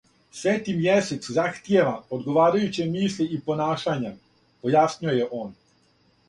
Свети мјесец захтијева одговарајуће мисли и понашање, појаснио је он.